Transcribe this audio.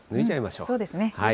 そうですね。